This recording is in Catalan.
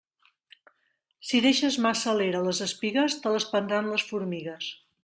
Si deixes massa a l'era les espigues, te les prendran les formigues.